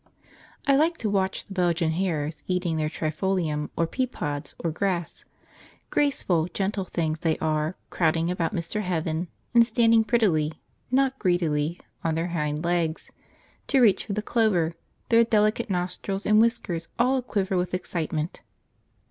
I like to watch the Belgian hares eating their trifolium or pea pods or grass; graceful, gentle things they are, crowding about Mr. Heaven, and standing prettily, not greedily, on their hind legs, to reach for the clover, their delicate nostrils and whiskers all a quiver with excitement.